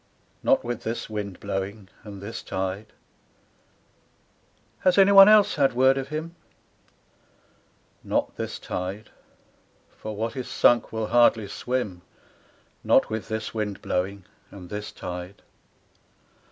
Not with this wind blowing, and this tide, 'Has any one else had word of him ?' Not this tide. For what is sunk will hardly swim, Not with this wind blowing, and this tide.